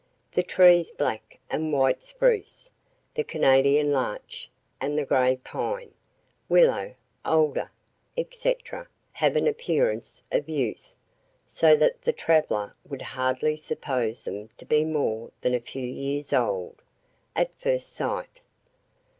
The trees black and white spruce, the Canadian larch, and the gray pine, willow, alder, etc. have an appearance of youth; so that the traveller would hardly suppose them to be more than a few years old, at first sight.